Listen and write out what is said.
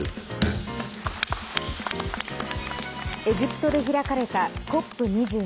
エジプトで開かれたＣＯＰ